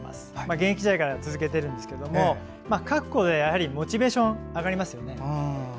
現役時代から続けているんですが書くことでモチベーションが上がりますよね。